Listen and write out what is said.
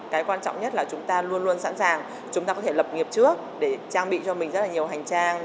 cái quan trọng nhất là chúng ta luôn luôn sẵn sàng chúng ta có thể lập nghiệp trước để trang bị cho mình rất là nhiều hành trang